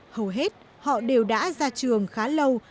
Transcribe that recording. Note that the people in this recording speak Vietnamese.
hầu hết họ đều đã ra trường khá lâu